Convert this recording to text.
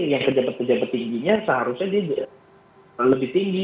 yang pejabat pejabat tingginya seharusnya dia lebih tinggi